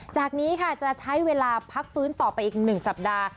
จากนี้ค่ะจะใช้เวลาพักฟื้นต่อไปอีก๑สัปดาห์